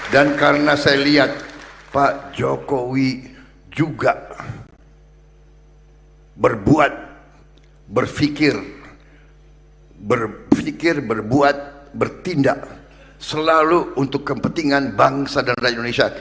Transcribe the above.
dan karena saya lihat pak jokowi juga berbuat berpikir berpikir berbuat bertindak selalu untuk kepentingan bangsa dan rakyat indonesia